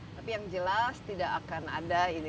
tapi yang jelas tidak akan ada ini